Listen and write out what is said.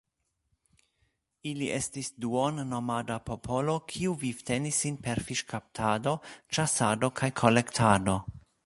Ili estis duon-nomada popolo, kiu vivtenis sin per fiŝkaptado, ĉasado kaj kolektado.